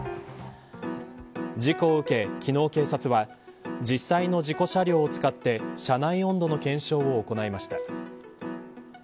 事故を受け、昨日警察は実際の事故車両を使って車内温度の検証を行いました。